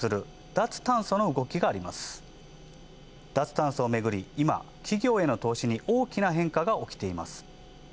脱炭素をめぐり今、企業への投資に大きな変化が起きています。